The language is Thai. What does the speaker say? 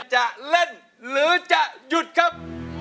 จะเล่นหรือจะหยุดครับ